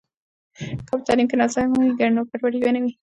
که په تعلیم کې نظم ولري، نو ګډوډي به نه وي.